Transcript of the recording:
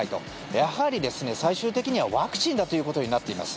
やはり最終的にはワクチンだということになっています。